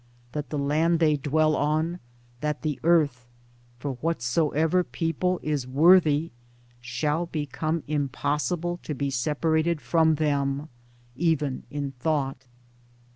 That the land they dwell on, that the Earth, for whatsoever people is worthy, shall become impossible to be separated from them — even in thought.